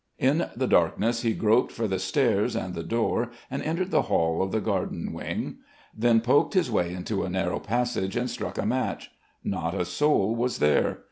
In the darkness he groped for the stairs and the door and entered the hall of the gardenwing, then poked his way into a narrow passage and struck a match. Not a soul was there.